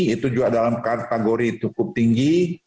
itu juga dalam kategori cukup tinggi